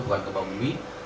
bukan gempa bumi